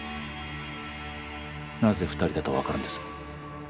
なぜ二人だと分かるんです？